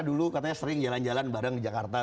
dulu katanya sering jalan jalan bareng di jakarta